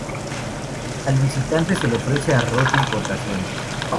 Al visitante se le ofrece arroz de importación.